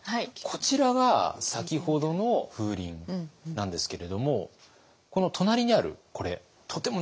こちらが先ほどの風鈴なんですけれどもこの隣にあるこれとても貴重なものなんです。